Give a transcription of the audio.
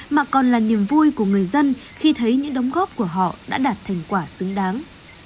mà còn là niềm vui của người dân khi thấy những đóng góp của họ đã đạt thành quả xứng đáng